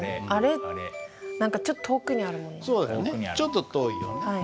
ちょっと遠いよね。